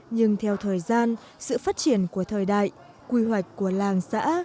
nhưng theo thời gian sự phát triển của thời đại quy hoạch của làng xã